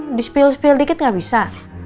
ya di spil spil dikit gak bisa